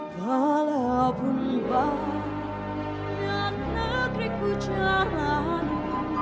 kalaupun banyak negeri ku jalani